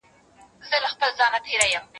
یو عرب وو په صحرا کي را روان وو